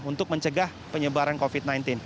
untuk mencegah penyebaran covid sembilan belas